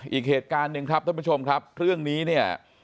อีกเหตุการณ์หนึ่งครับท่านผู้ชมครับเรื่องนี้เนี่ย